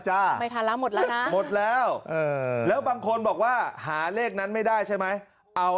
จ้ามันหมดแล้วแล้วบางคนบอกว่าหาเลขนั้นไม่ได้ใช่ไหมเอา